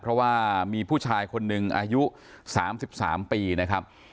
เพราะว่ามีผู้ชายคนหนึ่งอายุ๓๓ปีนะครับ